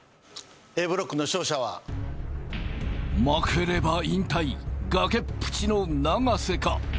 Ａブロックの勝者は負ければ引退崖っぷちの長瀬か？